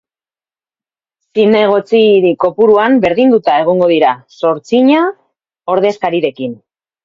Zinegotzi kopuruan berdinduta egongo dira, zortzina ordezkarirekin.